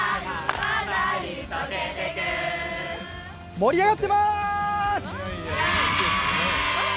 盛り上がってまーす！！